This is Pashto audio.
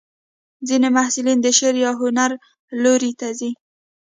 ځینې محصلین د شعر یا هنر لوري ته ځي.